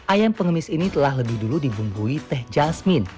ayam pengemis ini telah lebih dulu dibumbui teh jasmin